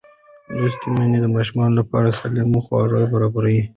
لوستې میندې د ماشوم لپاره سالم خواړه برابروي.